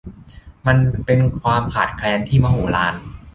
มันเป็นความขาดแคลนที่มโหฬาร